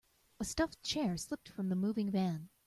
A stuffed chair slipped from the moving van.